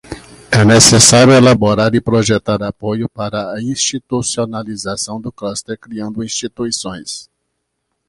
É necessário elaborar e projetar apoio para a institucionalização do cluster criando instituições.